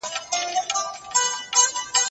څنګه افغان صادروونکي خالص زعفران پاکستان ته لیږدوي؟